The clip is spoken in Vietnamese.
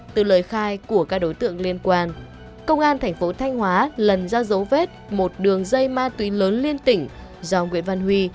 từ lời khai của các đối tượng liên quan công an thành phố thanh hóa lần ra dấu vết một đường dây ma túy lớn liên tỉnh do nguyễn văn huy